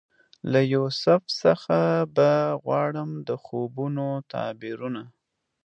له یوسف څخه به غواړم د خوبونو تعبیرونه